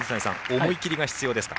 思い切りが必要ですか？